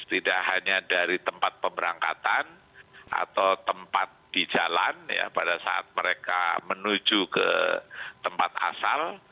tidak hanya dari tempat pemberangkatan atau tempat di jalan pada saat mereka menuju ke tempat asal